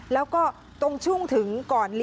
แล้วก็ตรงที่ถึงก่อน